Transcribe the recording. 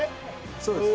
そうです